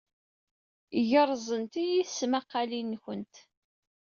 Gerẓent-iyi tesmaqqalin-nwent.